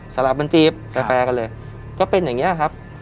สลับมันจีบแฟร์กันเลยก็เป็นอย่างนี้ครับ